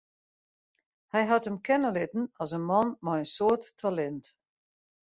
Hy hat him kenne litten as in man mei in soad talint.